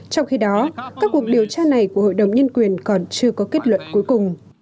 trong khi đó các cuộc điều tra này của hội đồng nhân quyền còn chưa có kết luận cuối cùng